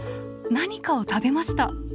何かを食べました。